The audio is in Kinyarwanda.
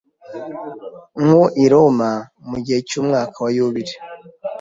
Nko i Roma mugihe cyumwaka wa yubile